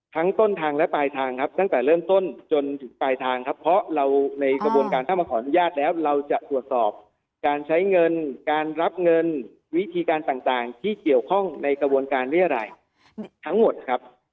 ต้นทางและปลายทางครับตั้งแต่เริ่มต้นจนถึงปลายทางครับเพราะเราในกระบวนการถ้ามาขออนุญาตแล้วเราจะตรวจสอบการใช้เงินการรับเงินวิธีการต่างที่เกี่ยวข้องในกระบวนการเรียรายทั้งหมดครับ